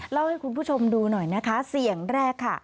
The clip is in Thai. เล่าให้คุณผู้ชมดูหน่อยนะคะเสี่ยงแรกค่ะ